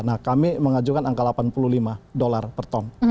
nah kami mengajukan angka delapan puluh lima dolar per ton